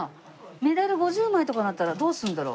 メダル５０枚とかになったらどうするんだろう？